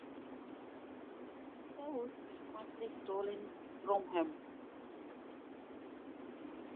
His agenda was frequently stolen from him.